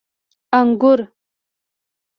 🍇 انګور